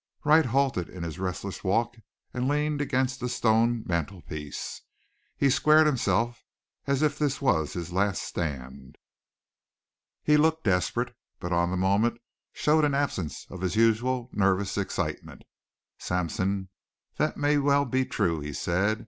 Wright halted in his restless walk and leaned against the stone mantelpiece. He squared himself as if this was his last stand. He looked desperate, but on the moment showed an absence of his usual nervous excitement. "Sampson, that may well be true," he said.